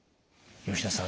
吉野さん